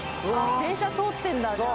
電車通ってるんだ、じゃあ。